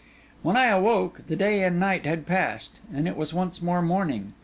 When I awoke, the day and night had passed, and it was once more morning.